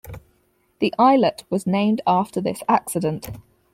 The islet was named after this accident.